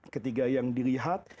ketika yang dilihat